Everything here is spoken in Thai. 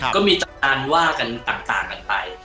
ก็มีอันว่ากันต่างกันไป